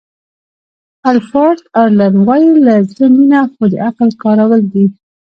الفرډ اډلر وایي له زړه مینه خو د عقل کارول دي.